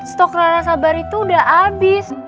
stok rara sabar itu udah abis